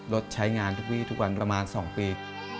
รถใช้งานทุกวีทุกวันประมาณ๒ปี